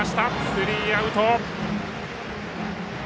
スリーアウト。